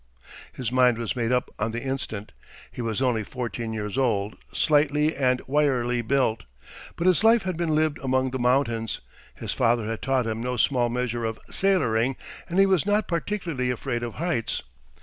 His mind was made up on the instant. He was only fourteen years old, slightly and wirily built; but his life had been lived among the mountains, his father had taught him no small measure of "sailoring," and he was not particularly afraid of heights.